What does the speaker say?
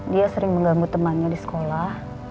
dia sering mengganggu temannya di sekolah